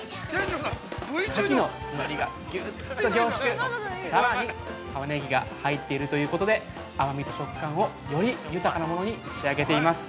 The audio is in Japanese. ◆牡蠣のうまみがぎゅっと凝縮、さらに、タマネギが入っているということで、甘みと触感をより豊かなものに仕上げています。